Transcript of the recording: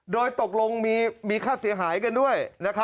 โดยตกลงมีค่าเสียหายกันด้วย